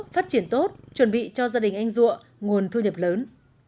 vườn mỡ phát triển tốt chuẩn bị cho gia đình anh dụa nguồn thu nhập lớn